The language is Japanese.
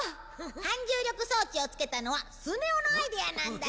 反重力装置を付けたのはスネ夫のアイデアなんだよ。